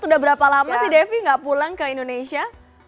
sudah berapa lama sih devi gak pulang ke indonesia